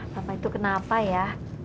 papa itu kenapa ya